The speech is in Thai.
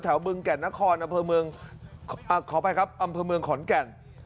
แถวบึงแก่นขอนอำเภอเมืองขอนแก่น